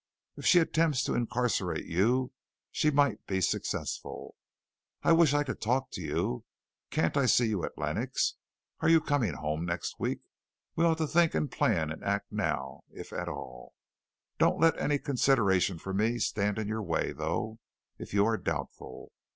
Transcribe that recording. If she attempts to incarcerate you, she might be successful. I wish I could talk to you. Can't I see you at Lenox? Are you coming home next week? We ought to think and plan and act now if at all. Don't let any consideration for me stand in your way, though, if you are doubtful.